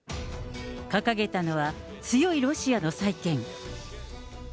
掲げたのは、強いロシアの再建。